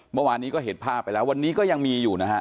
เมื่อวานนี้ก็เห็นภาพไปแล้ววันนี้ก็ยังมีอยู่นะฮะ